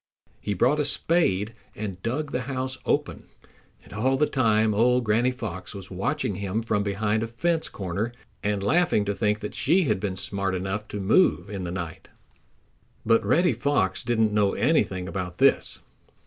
He brought a spade and dug the house open, and all the time old Granny Fox was watching him from behind a fence corner and laughing to think that she had been smart enough to move in the night. But Reddy Fox didn't know anything about this.